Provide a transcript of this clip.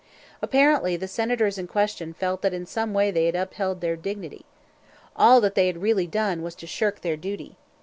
Apparently the Senators in question felt that in some way they had upheld their dignity. All that they had really done was to shirk their duty.